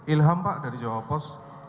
ilham pak dari jawa post